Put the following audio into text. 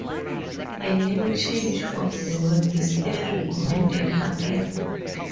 A name change of the work is still recommended, however.